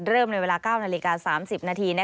เริ่มในเวลา๙นาฬิกา๓๐นาที